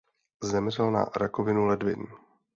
Zemřel na rakovinu ledvin.